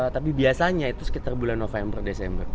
tapi biasanya itu sekitar bulan november desember